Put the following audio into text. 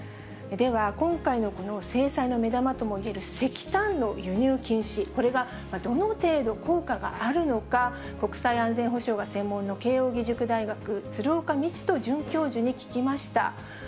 では、今回のこの制裁の目玉ともいえる石炭の輸入禁止、これはどの程度効果があるのか、国際安全保障が専門の慶応義塾大学、鶴岡路人准教授に聞きました。